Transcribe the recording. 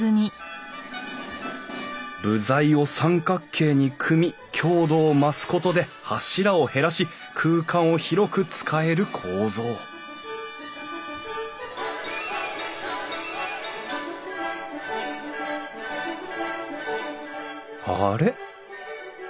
部材を三角形に組み強度を増すことで柱を減らし空間を広く使える構造あれ？